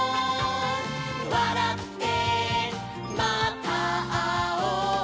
「わらってまたあおう」